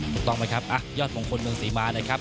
ถูกต้องไหมครับยอดมงคลเมืองศรีมานะครับ